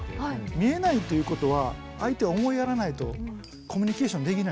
見えないということは相手を思いやらないとコミュニケーションできないです。